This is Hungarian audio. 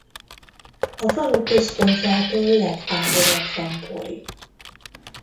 A falu központjától legtávolabb van Pori.